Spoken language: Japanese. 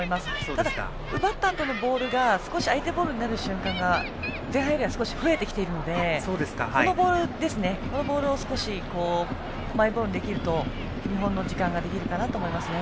ただ、奪ったあとのボールが少し相手ボールになる瞬間が前半より少し増えてきているので今のようなボールを少しマイボールにできると日本の時間ができるかなと思います。